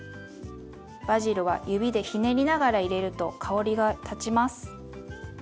バジルは指でひねりながら入れると香りが立ちます。